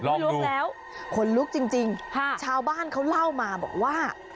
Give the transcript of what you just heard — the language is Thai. ไม่ลุกแล้วขนลุกจริงชาวบ้านเขาเล่ามาบอกว่า